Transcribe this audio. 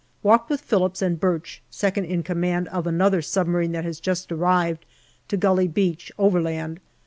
Walked with Phillips and Birch (second in command of another sub marine that has just arrived) to Gully Beach, overland.